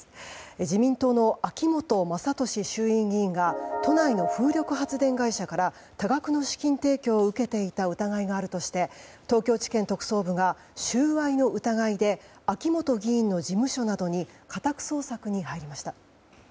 自民党の秋本真利衆議院議員が都内の風力発電会社から多額の資金提供を受けていた疑いがあるとして東京地検特捜部が収賄の疑いで秋本議員の事務所などに家宅捜索に入りました。